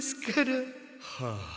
はあ。